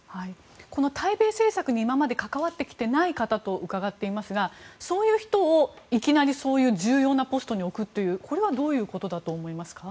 この対米政策に今まで関わってきていない方と伺っていますがそういう人を、いきなりそういう重要なポストに置くというこれはどういうことだと思いますか。